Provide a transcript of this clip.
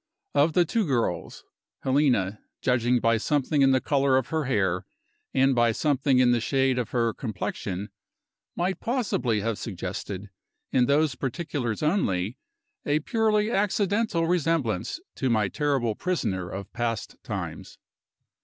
Of the two girls, Helena judging by something in the color of her hair, and by something in the shade of her complexion might possibly have suggested, in those particulars only, a purely accidental resemblance to my terrible prisoner of past times.